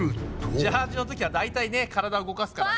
ジャージのときは大体ね体動かすからね。